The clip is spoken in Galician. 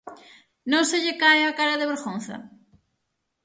Non se lle cae a cara de vergonza?